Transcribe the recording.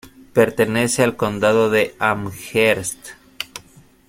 Pertenece al Condado de Amherst.